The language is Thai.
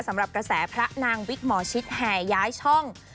สำหรับกระแสพระนางวิกหมอชิดแห่ย้ายช่อง